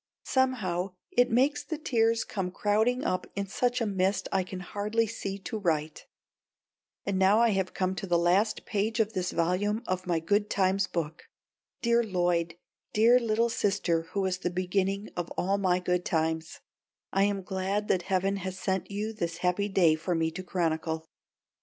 Somehow it makes the tears come crowding up in such a mist I can hardly see to write. And now I have come to the last page of this volume of my Good times book. Dear Lloyd, dear little sister who was the beginning of all my good times, I am glad that heaven has sent you this happy day for me to chronicle!